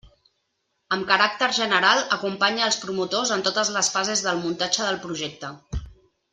Amb caràcter general acompanya els promotors en totes les fases del muntatge del projecte.